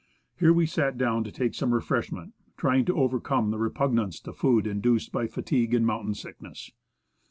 Here we sat down to take some refreshment, trying to overcome the repugnance to food induced by fatigue and mountain sickness.